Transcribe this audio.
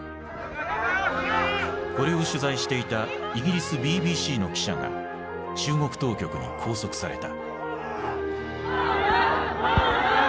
これを取材していたイギリスＢＢＣの記者が中国当局に拘束された。